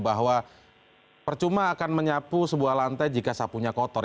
bahwa percuma akan menyapu sebuah lantai jika sapunya kotor